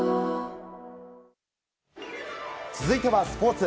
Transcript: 続いてはスポーツ。